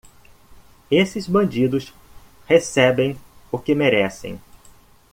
Esses bandidos recebem o que merecem.